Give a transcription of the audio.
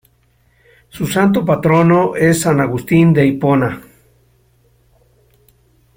Su santo patrono es san Agustín de Hipona.